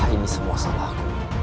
ini semua salahku